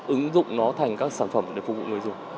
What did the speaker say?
ứng dụng nó thành các sản phẩm để phục vụ người dùng